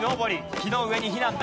木の上に避難だ。